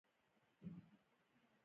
په افغانستان کې د سنگ مرمر تاریخ اوږد دی.